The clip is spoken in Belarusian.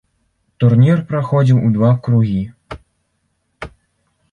Турнір праходзіў у два кругі.